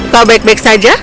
kau baik baik saja